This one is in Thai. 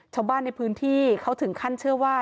ชาวบ้านในพื้นที่เขาถึงขั้นเชื่อว่า